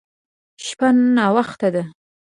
شپه ناوخته ده.